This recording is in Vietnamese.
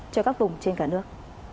cho các vùng trên cả nước